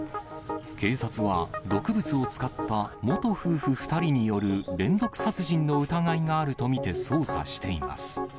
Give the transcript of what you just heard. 警察は、毒物を使った元夫婦２人による、連続殺人の疑いがあると見て捜査しています。